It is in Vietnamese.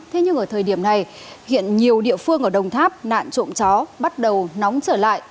thế nhưng ở thời điểm này hiện nhiều địa phương ở đồng tháp nạn trộm chó bắt đầu nóng trở lại